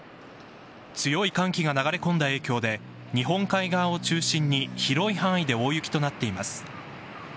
強い寒気が流れ込んだ影響で日本海側を中心に広い範囲で大雪となっています。